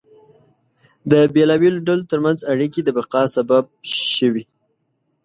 د بېلابېلو ډلو ترمنځ اړیکې د بقا سبب شوې.